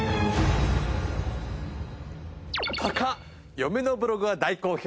嫁のブログが大好評。